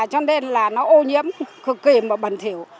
cho nên là nó ô nhiễm cực kỳ và bẩn thiểu